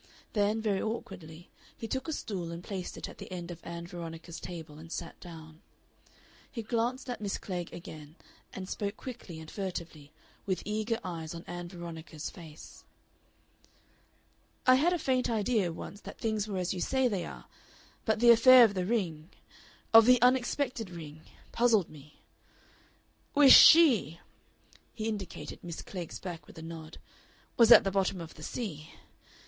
Then, very awkwardly, he took a stool and placed it at the end of Ann Veronica's table, and sat down. He glanced at Miss Klegg again, and spoke quickly and furtively, with eager eyes on Ann Veronica's face. "I had a faint idea once that things were as you say they are, but the affair of the ring of the unexpected ring puzzled me. Wish SHE" he indicated Miss Klegg's back with a nod "was at the bottom of the sea....